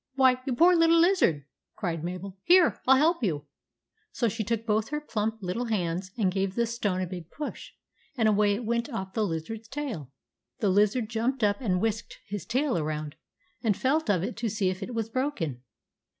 " Why, you poor little lizard !" cried Mabel. " Here, I '11 help you." So she took both her plump little hands and gave the stone a big push, and away it went off from the lizard's tail. The lizard jumped up and whisked his tail around and felt of it to see if it was broken.